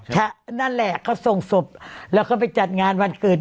นั่นแหละเขาส่งศพแล้วก็ไปจัดงานวันเกิด